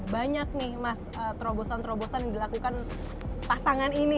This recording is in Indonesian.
banyak nih mas terobosan terobosan yang dilakukan pasangan ini